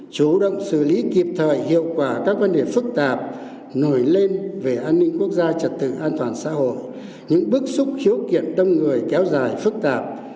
chủ động xử lý kịp thời hiệu quả các vấn đề phức tạp nổi lên về an ninh quốc gia trật tự an toàn xã hội những bức xúc khiếu kiện đông người kéo dài phức tạp